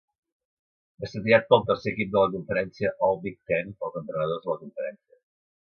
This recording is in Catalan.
Va ser triat per al tercer equip de la conferència All-Big Ten pels entrenadors de la conferència.